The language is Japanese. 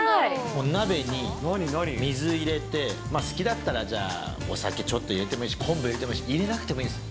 お鍋に水入れて、好きだったら、じゃあお酒ちょっと入れてもいいし、昆布入れてもいいし、入れなくてもいいです。